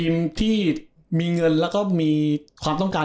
ที่มีเงินแล้วก็มีความต้องการ